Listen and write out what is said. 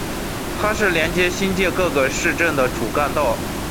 它是连接新界各个新市镇的主干道。